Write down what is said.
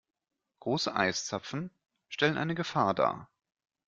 Große Eiszapfen stellen eine Gefahr dar.